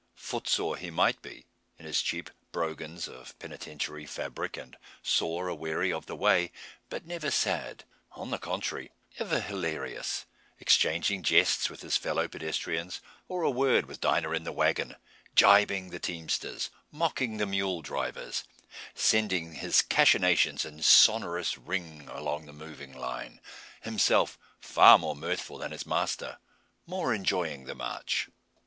Footsore he might be, in his cheap "brogans" of Penitentiary fabric, and sore aweary of the way, but never sad. On the contrary, ever hilarious, exchanging jests with his fellow pedestrians, or a word with Dinah in the wagon, jibing the teamsters, mocking the mule drivers, sending his cachinations in sonorous ring along the moving line; himself far more mirthful than his master more enjoying the march.